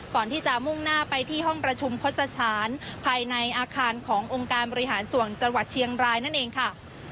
ก่อนที่จะมุ่งหน้าไปที่ห้องประชุมโฆษศาลภายในอาคารขององค์การบริหารส่วนจังหวัดเชียงรายนั่นเองค่ะ